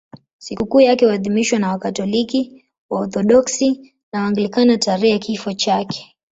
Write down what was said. Sikukuu yake huadhimishwa na Wakatoliki, Waorthodoksi na Waanglikana tarehe ya kifo chake.